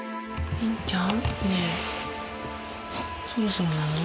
りんちゃん。